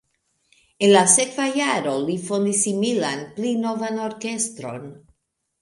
En la sekva jaro li fondis similan, pli novan orkestron.